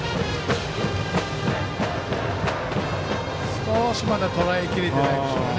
少しまだとらえきれてないですね。